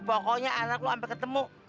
pokoknya anak lo ampe ketemu